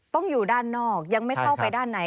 อยู่ด้านนอกยังไม่เข้าไปด้านใน